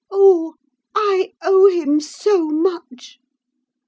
Oh, I owe him so much.